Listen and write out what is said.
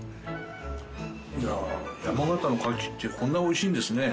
いやあ山形のカキってこんな美味しいんですね。